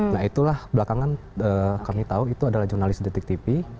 nah itulah belakangan kami tahu itu adalah jurnalis detik tv